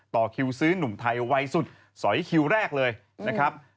ต่อคิวซื้อหนุ่มไทยวัยสุดสอยคิวแรกเลยนะครับ